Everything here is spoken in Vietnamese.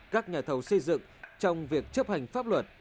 các nhà thầu xây dựng trong việc chấp hành pháp luật